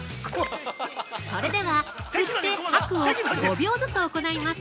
◆それでは、吸って、吐くを５秒ずつ行います。